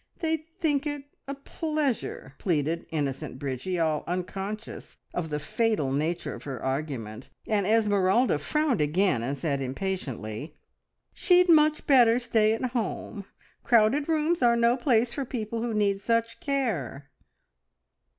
They'd think it a pleasure!" pleaded innocent Bridgie, all unconscious of the fatal nature of her argument, and Esmeralda frowned again and said impatiently "She'd much better stay at home. Crowded rooms are no place for people who need such care."